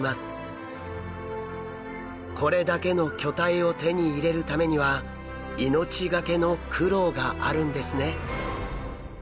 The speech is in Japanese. これだけの巨体を手に入れるためには命懸けの苦労があるんですね。